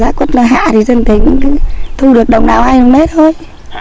giá quất là hạ thì dân tỉnh thu được đồng nào hai nghìn đồng hết thôi